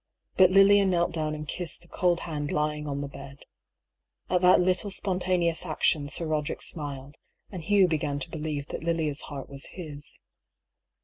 But Lilia knelt down and kissed the cold hand lying on the bed. At that little spontaneous action Sir Boderick smiled, and Hugh began to believe that Lilians heart was his.